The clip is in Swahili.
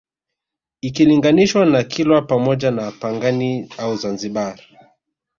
Ikilinganishwa na Kilwa pamoja na Pangani au Zanzibar